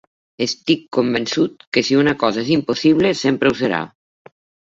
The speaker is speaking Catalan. Estic convençut que si una cosa és impossible, sempre ho serà.